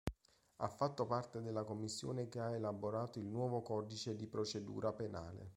Ha fatto parte della commissione che ha elaborato il nuovo Codice di procedura penale.